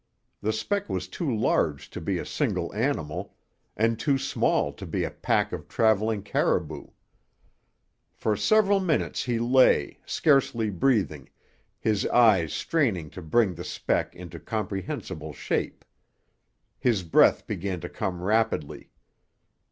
The speck was too large to be a single animal and too small to be a pack of travelling caribou. For several minutes he lay, scarcely breathing, his eyes straining to bring the speck into comprehensible shape. His breath began to come rapidly.